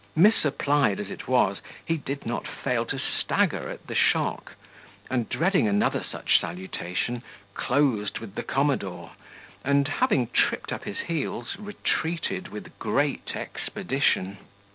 Misapplied as it was, he did not fail to stagger at the shock; and, dreading another such salutation, closed with the commodore, and having tripped up his heels, retreated with great expedition.